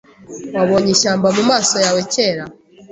Wabonye ishyamba mumaso yawe kera